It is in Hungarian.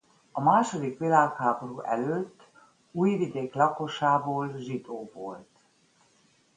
A második világháború előtt Újvidék lakosából zsidó volt.